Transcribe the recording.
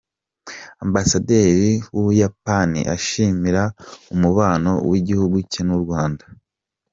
Ambasaderi w’u Buyapani ashimira umubano w’igihugu cye n’u Rwanda